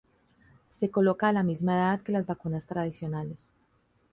Se coloca a la misma edad que las vacunas tradicionales.